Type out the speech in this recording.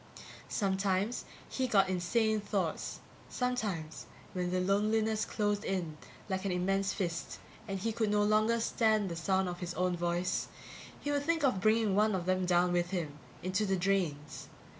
Sometimes he got insane thoughts. Sometimes, when the loneliness closed in like an immense fist and he could no longer stand the sound of his own voice, he would think of bringing one of them down with him, into the drains.